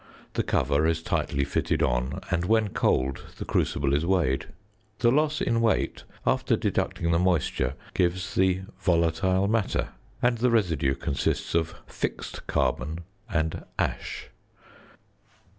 The cover is tightly fitted on, and when cold the crucible is weighed. The loss in weight, after deducting the moisture, gives the "volatile matter," and the residue consists of "fixed carbon" and "ash."